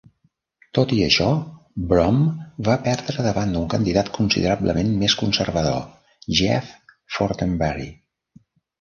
Tot i això, Bromm va perdre davant d'un candidat considerablement més conservador, Jeff Fortenberry.